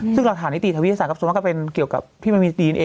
ซึ่งหลักฐานนิติวิทยาวิทยาศาสตร์ก็สมมติเป็นเกี่ยวกับพี่แม่มีดีนเอง